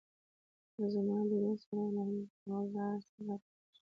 زما له لیدو سره يې له هغه ځایه سر راته وښوراوه.